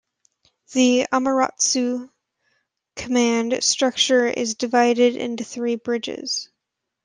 The "Amaterasu" command structure is divided into three bridges.